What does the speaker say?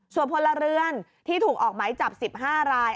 ส่วนพลเรือนที่ถูกออกไหมจับ๑๕ราย